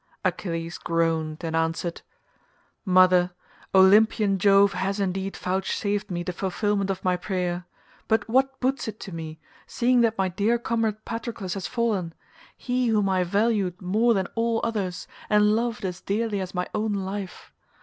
Achilles groaned and answered, "Mother, Olympian Jove has indeed vouchsafed me the fulfilment of my prayer, but what boots it to me, seeing that my dear comrade Patroclus has fallen—he whom I valued more than all others, and loved as dearly as my own life?